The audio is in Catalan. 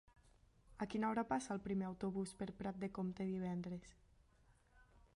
A quina hora passa el primer autobús per Prat de Comte divendres?